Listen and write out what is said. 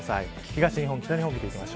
東日本、北日本です。